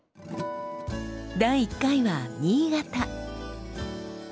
第１回は新潟。